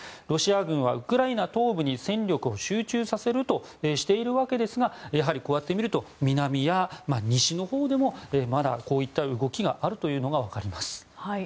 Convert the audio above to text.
ロシア軍はウクライナ東部に戦力を集中させるとしているわけですがやはりこうやって見ると南や西のほうでもまだこういった動きがあるというのがわかります。